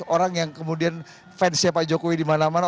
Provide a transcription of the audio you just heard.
orang yang kemudian fansnya pak jokowi dimana mana